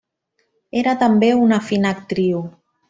Era també una fina actriu.